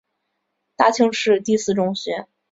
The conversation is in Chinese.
大庆市第四中学。